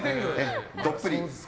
どっぷり。